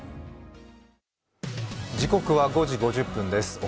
時刻は５時５０分です。